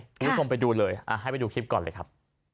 คุณผู้ชมไปดูเลยให้ไปดูคลิปก่อนเลยครับ